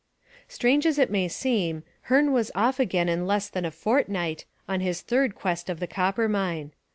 Strange as it may seem, Hearne was off again in less than a fortnight on his third quest of the Coppermine.